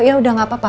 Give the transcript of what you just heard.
ya udah nggak apa apa